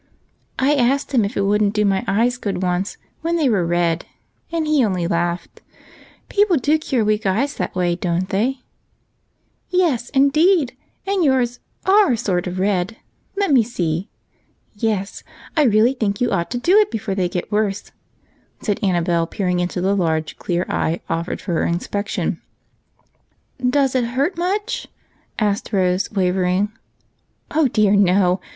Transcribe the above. " I asked him if it would n't do my eyes good once when they were red, and he only laughed. People do cure weak eyes that way, don't they ?"" Yes, indeed, and yours are sort of red. Let me see. Yes, I really think you ought to do it before they get worse," said Annabel, peering into the large clear eye offered for inspection. " Does it hurt much ?" asked Rose, wavering. "Oh dear, no!